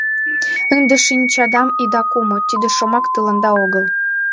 Ынде шинчадам ида кумо — тиде шомак тыланда огыл.